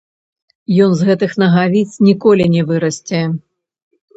Ён з гэтых нагавіц ніколі не вырасце.